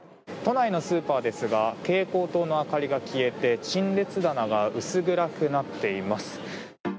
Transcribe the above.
都内のスーパーですが蛍光灯の明かりが消えて陳列棚が薄暗くなっています。